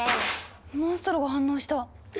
モンストロが反応した。